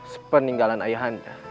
sepeninggalan ayah anda